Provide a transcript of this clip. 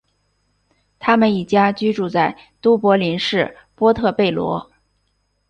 他们一家居住在都柏林市波特贝罗。